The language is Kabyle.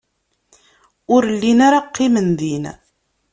Ur llin ara qqimen din.